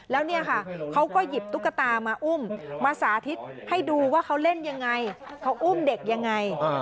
แล้วเนี่ยค่ะเขาก็หยิบตุ๊กตามาอุ้มมาสาธิตให้ดูว่าเขาเล่นยังไงเขาอุ้มเด็กยังไง